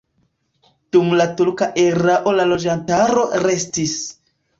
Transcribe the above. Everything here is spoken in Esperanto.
Dum la turka erao la loĝantaro restis.